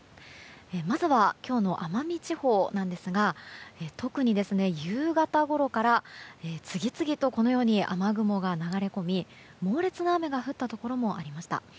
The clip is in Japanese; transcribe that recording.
まずは今日の奄美地方なんですが特に夕方ごろから次々と雨雲が流れ込み猛烈な雨が降ったところもありました。